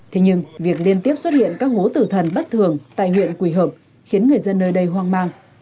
thế nhưng việc liên tiếp xuất hiện các hố tử thần bất thường tại huyện quỳ hợp khiến người dân nơi đây hoang mang